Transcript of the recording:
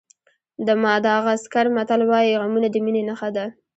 د ماداغاسکر متل وایي غمونه د مینې نښه ده.